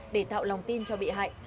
để tạo lòng tin cho bị hại